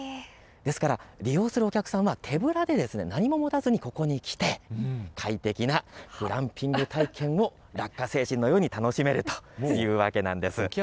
ですから利用するお客さんは手ぶらで何も持たずにここに来て快適なグランピング体験をラッカ星人のように楽しめるというわけなんです。